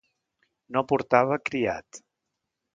No portava criat.